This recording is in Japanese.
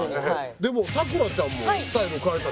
でも咲楽ちゃんもスタイル変えた。